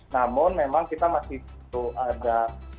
namun memang kita masih perlu ada